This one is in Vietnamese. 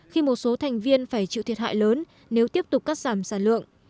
khi một số thành viên phải chịu thiệt hại lớn nếu tiếp tục cắt giảm sản lượng